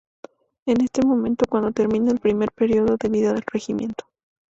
Es en este momento cuando termina el primer periodo de vida del Regimiento.